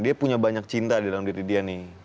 dia punya banyak cinta di dalam diri dia nih